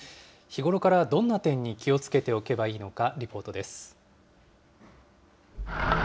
日頃からどんな点に気をつけておけばいいのか、リポートです。